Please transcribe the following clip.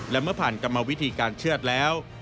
และเมื่อผ่านกรรมวิธีการเชื่อดแล้ว